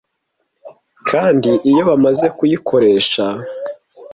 kandi iyo bamaze kuyikoresha